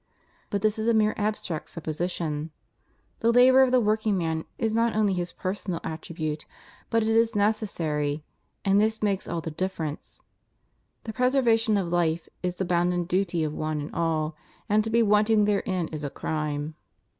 But this is a mere abstract supposition; the labor of the workingman is not only his personal at tribute, but it is necessary; and this makes all the dif ference. The preservation of hfe is the boimden duty of one and all, and to be wanting therein is a crime.